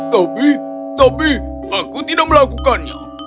tapi tapi aku tidak melakukannya